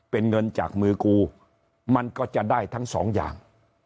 เป็นเงินจากมือกูมันก็จะได้ทั้งสองอย่าง